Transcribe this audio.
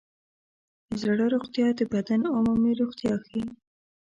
د زړه روغتیا د بدن عمومي روغتیا ښيي.